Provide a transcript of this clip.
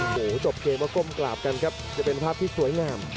จบเกมก็ก้มกราบกันครับจะเป็นภาพที่สวยงาม